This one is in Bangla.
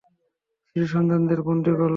শিশুসন্তানদের বন্দী করল।